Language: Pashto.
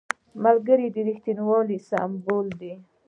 ملګری د رښتینولۍ سمبول دی